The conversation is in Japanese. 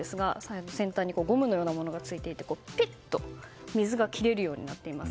先端にゴムのようなものがついていて水が切れるようになっています。